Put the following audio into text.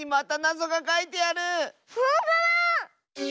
ほんとだ！